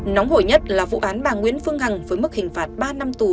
nóng hổi nhất là vụ án bà nguyễn phương hằng với mức hình phạt ba năm tù